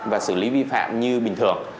và xử lý vi phạm như bình thường